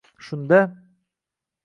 Shunda...